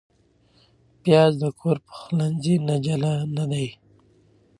پیاز د کور پخلنځي نه جلا نه دی